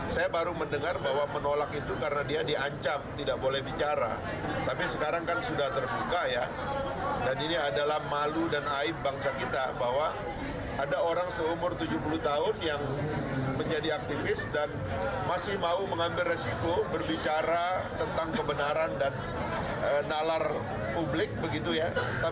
saya baru mendengar bahwa menolak itu karena dia diancam tidak boleh bicara tapi sekarang kan sudah terbuka ya dan ini adalah malu dan aib bangsa kita bahwa ada orang seumur tujuh puluh tahun yang menjadi aktivis dan masih mau mengambil resiko berbicara tentang kebenaran kita